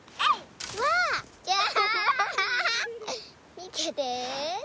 みてて。